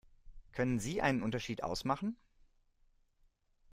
Können Sie einen Unterschied ausmachen?